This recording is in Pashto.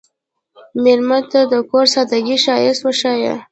مېلمه ته د کور د سادګۍ ښایست وښیه.